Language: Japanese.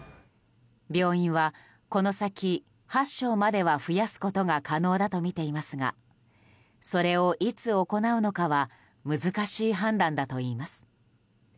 病院はこの先８床までは増やすことが可能だとみていますがそれをいつ行うのかは難しい判断だといいます。